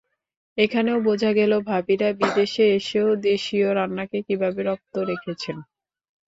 এখানেও বোঝা গেল ভাবিরা বিদেশে এসেও দেশীয় রান্নাকে কীভাবে রপ্ত রেখেছেন।